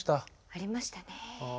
ありましたね。